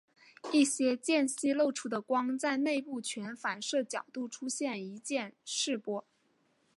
一些间隙漏出的光在内部全反射角度出现一个渐逝波。